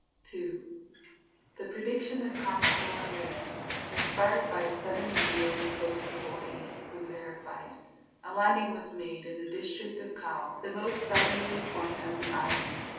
II. The prediction of Kamahualele, inspired by a sudden view of the coast of Hawaii, was verified. A landing was made in the district of Kau, the most southerly point of the island.